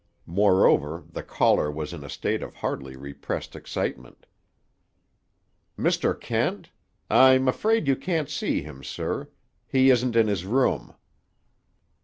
Moreover, the caller was in a state of hardly repressed excitement. "Mr. Kent? I'm afraid you can't see him, sir. He isn't in his room."